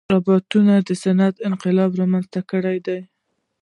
روبوټونه د صنعت انقلاب رامنځته کړی دی.